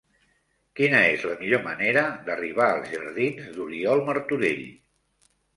Quina és la millor manera d'arribar als jardins d'Oriol Martorell?